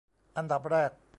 อันดับแรก